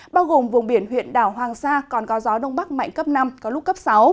bao gồm vùng biển huyện đảo hoàng sa còn có gió đông bắc mạnh cấp năm có lúc cấp sáu